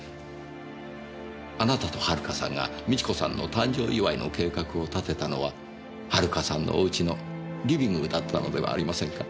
あなたと遥さんが美智子さんの誕生祝いの計画を立てたのは遥さんのお家のリビングだったのではありませんか？